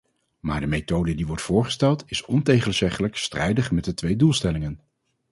Maar de methode die wordt voorgesteld is ontegenzeggelijk strijdig met de twee doelstellingen.